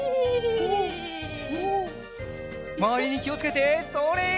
まわりにきをつけてそれ！